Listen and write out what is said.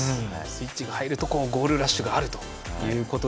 スイッチが入るとゴールラッシュがあるという。